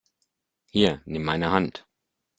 Hier, nimm meine Hand!